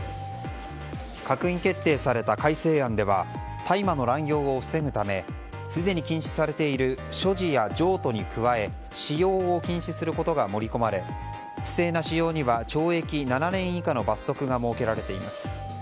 閣議決定された改正案では大麻の乱用を防ぐためすでに禁止されている所持や譲渡に加え使用を禁止することが盛り込まれ不正な使用には懲役７年以下の罰則が設けられています。